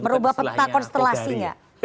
merubah peta konstelasinya